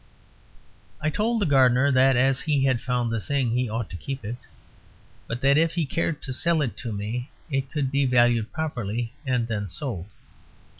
I told the gardener that as he had found the thing he ought to keep it, but that if he cared to sell it to me it could be valued properly, and then sold.